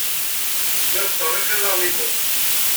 Lliɣ ttcerriqeɣ iḍarren-inu.